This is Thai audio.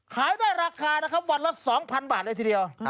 ขายได้ราคานะครับวันละ๒๐๐บาทเลยทีเดียว